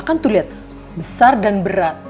kan tuh lihat besar dan berat